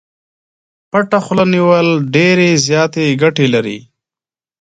پټه خوله نيول ډېرې زياتې ګټې لري.